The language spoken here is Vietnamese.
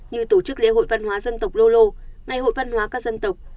như tổ chức lễ hội văn hóa dân tộc lô lô ngày hội văn hóa các dân tộc